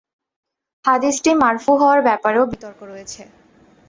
হাদীসটি মারফু হওয়ার ব্যাপারেও বিতর্ক রয়েছে।